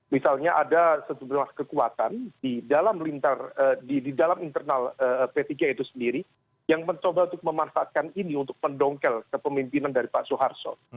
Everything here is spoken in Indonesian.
misalnya ada sejumlah kekuatan di dalam internal p tiga itu sendiri yang mencoba untuk memanfaatkan ini untuk mendongkel kepemimpinan dari pak soeharto